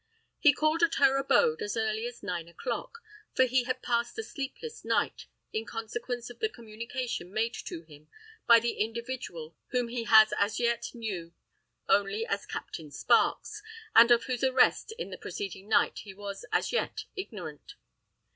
He called at her abode as early as nine o'clock,—for he had passed a sleepless night, in consequence of the communication made to him by the individual whom he as yet knew only as Captain Sparks, and of whose arrest on the preceding night he was as yet ignorant.